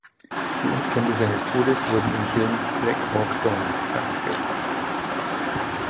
Die Umstände seines Todes wurden im Film Black Hawk Down dargestellt.